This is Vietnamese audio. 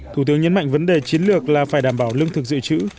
thủ tướng nhấn mạnh vấn đề chiến lược là phải đảm bảo lương thực dự trữ